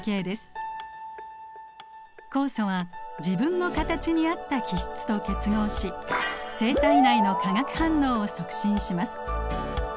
酵素は自分の形に合った基質と結合し生体内の化学反応を促進します。